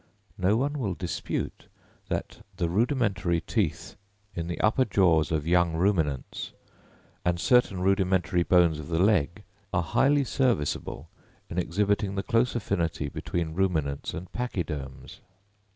No one will dispute that the rudimentary teeth in the upper jaws of young ruminants, and certain rudimentary bones of the leg, are highly serviceable in exhibiting the close affinity between Ruminants and Pachyderms.